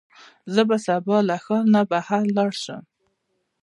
زه به سبا له ښار نه بهر لاړ شم.